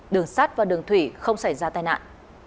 đường sát và đường thủy không xảy ra tai nạn